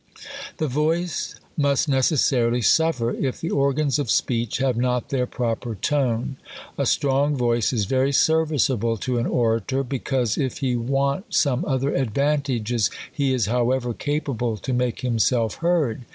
The voice must necessarily suffer, if the organs of speech have not their proper tone. A strong voice is very serviceable to an orator, because, if he want some other advantages, he is, however, capable to make himself heard.